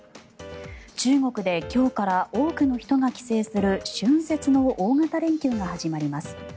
中国で今日から多くの人が帰省する春節の大型連休が始まります。